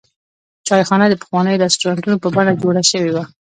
چایخانه د پخوانیو رسټورانټونو په بڼه جوړه شوې وه.